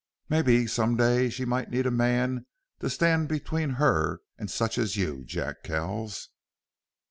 Mebbe some day she might need a man to stand between her an' such as you, Jack Kells!"